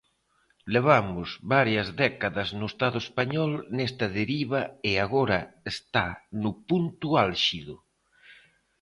Levamos varias décadas no Estado español nesta deriva e agora está no punto álxido.